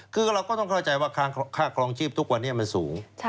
คือเราก็ต้องเข้าใจว่าค่าครองชีพทุกวันนี้มันสูง